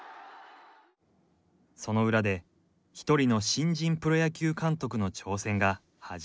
その裏で一人の新人プロ野球監督の挑戦が始まっていた。